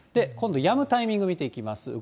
今度やむタイミング見ていきます。